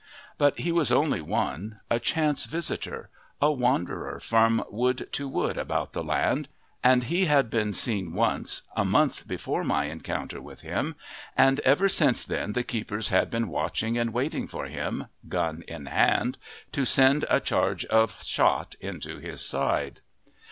But he was only one, a chance visitor, a wanderer from wood to wood about the land; and he had been seen once, a month before my encounter with him, and ever since then the keepers had been watching and waiting for him, gun in hand, to send a charge of shot into his side.